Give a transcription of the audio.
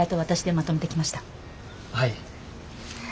はい。